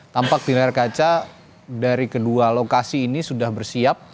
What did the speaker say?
tampak di layar kaca dari kedua lokasi ini sudah bersiap